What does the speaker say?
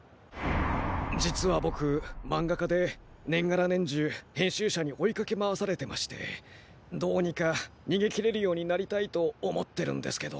実はぼくまんがかで年がら年中編集者に追いかけ回されてましてどうにかにげきれるようになりたいと思ってるんですけど。